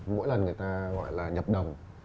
mỗi lần người ta gọi là nhập đồng